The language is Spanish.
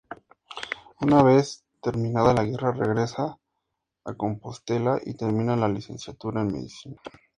Una vez terminada la guerra regresa a Compostela y termina la licenciatura en Medicina.